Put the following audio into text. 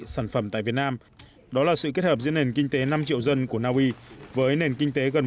sản phẩm tại việt nam đó là sự kết hợp giữa nền kinh tế năm triệu dân của naui với nền kinh tế gần